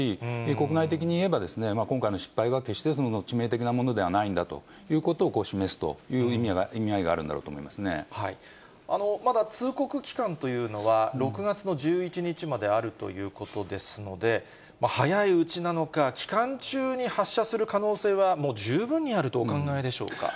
国内的にいえば、今回の失敗は決して、致命的なものではないんだということを示すという意味合いがあるまだ通告期間というのは、６月の１１日まであるということですので、早いうちなのか、期間中に発射する可能性はもう十分にあるとお考えでしょうか？